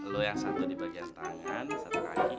lalu yang satu di bagian tangan satu kaki